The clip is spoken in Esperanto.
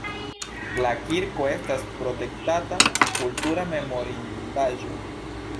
La kirko estas protektata kultura memorindaĵo.